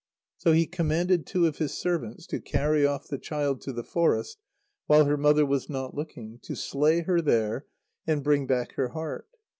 So he commanded two of his servants to carry off the child to the forest while her mother was not looking, to slay her there, and bring back her heart.